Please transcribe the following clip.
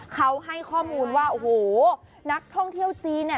เขาให้ข้อมูลว่าโอ้โหนักท่องเที่ยวจีนเนี่ย